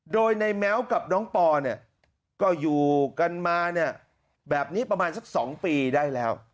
โดยในแม้วกับน้องปอเนี่ยก็อยู่กันมาเนี่ยแบบนี้ประมาณสัก๒ปีได้แล้ว